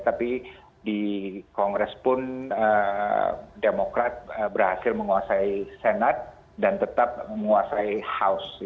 tapi di kongres pun demokrat berhasil menguasai senat dan tetap menguasai house